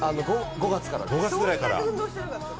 ５月ぐらいです。